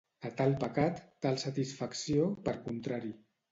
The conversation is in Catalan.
A tal pecat, tal satisfacció, per contrari.